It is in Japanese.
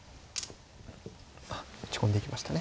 あっ打ち込んでいきましたね。